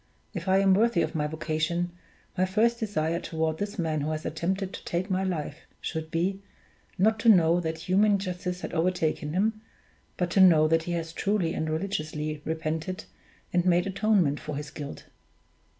If I am worthy of my vocation, my first desire toward this man who has attempted to take my life should be, not to know that human justice has overtaken him, but to know that he has truly and religiously repented and made atonement for his guilt.